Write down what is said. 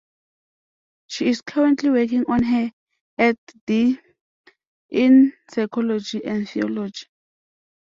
She is currently working on her Ed.D in Psychology and Theology.